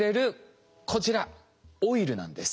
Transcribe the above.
オイルなんです。